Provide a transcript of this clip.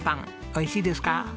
おいしいですか？